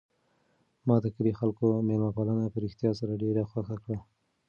ما د کلي د خلکو مېلمه پالنه په رښتیا سره ډېره خوښه کړه.